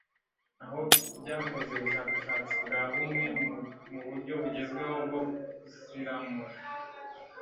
aho byakoze ubushakashatsi bwa bumwe mu buryo bugezweho bwo gusiramura